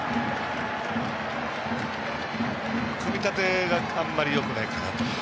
組み立てがあまりよくないかなと。